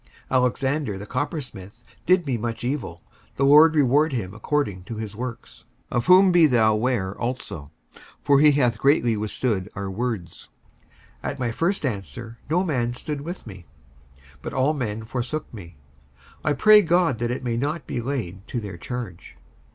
55:004:014 Alexander the coppersmith did me much evil: the Lord reward him according to his works: 55:004:015 Of whom be thou ware also; for he hath greatly withstood our words. 55:004:016 At my first answer no man stood with me, but all men forsook me: I pray God that it may not be laid to their charge.